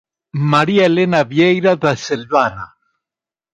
Maria Helena Vieira da Silvana".